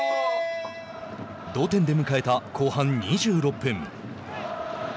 同点で迎えた後半２６分。